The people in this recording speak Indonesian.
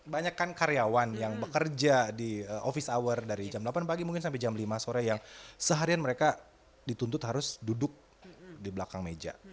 banyak kan karyawan yang bekerja di office hour dari jam delapan pagi mungkin sampai jam lima sore yang seharian mereka dituntut harus duduk di belakang meja